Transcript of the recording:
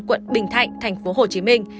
quận bình thạnh thành phố hồ chí minh